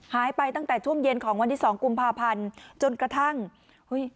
หายไปตั้งแต่ช่วงเย็นของวันที่สองกุมภาพันธ์จนกระทั่งเฮ้ย